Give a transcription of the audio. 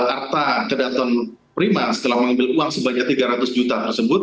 arta kedaton prima setelah mengambil uang sebanyak tiga ratus juta tersebut